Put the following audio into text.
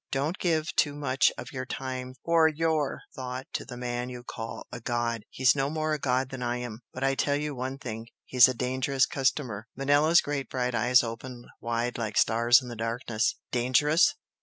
Don't give too much of your time or your thought to the man you call a 'god.' He's no more a god than I am. But I tell you one thing he's a dangerous customer!" Manella's great bright eyes opened wide like stars in the darkness. "Dangerous?